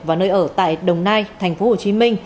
và nơi ở tại đồng nai tp hcm